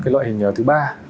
loại hình thứ ba